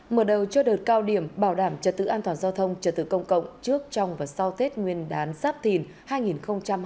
mở đầu cho đợt cao điểm bảo đảm trật tự an toàn giao thông trở tự công cộng trước trong và sau tết nguyên đán giáp thìn hai nghìn hai mươi bốn